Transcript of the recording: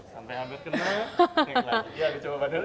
sampai hampir kena